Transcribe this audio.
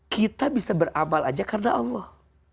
kita bisa beramal aja karena allah